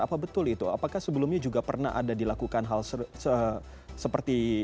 apa betul itu apakah sebelumnya juga pernah ada dilakukan hal seperti